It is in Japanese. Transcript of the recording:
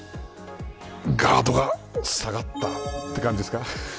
ガードが下がったという感じですか。